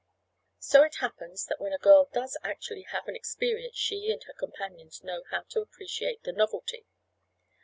So it happens that when a girl does actually have an experience she and her companions know how to appreciate the novelty.